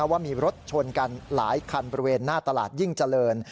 ว่ามีรถชนกันหลายคันบริเวณหน้าตลาดยิ่งเจริญ